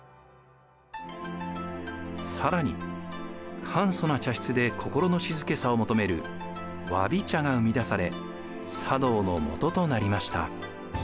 更に簡素な茶室で心の静けさを求めるわび茶が生み出され茶道のもととなりました。